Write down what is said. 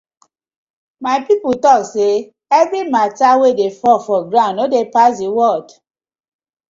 My pipu tok say everi matta wey dey fall for ground no dey pass the world.